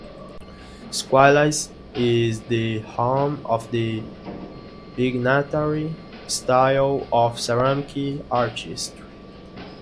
Squillace is the home of the "pignatari" style of ceramic artistry.